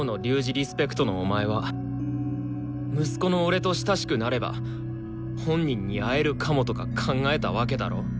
リスペクトのお前は息子の俺と親しくなれば本人に会えるかもとか考えたわけだろ？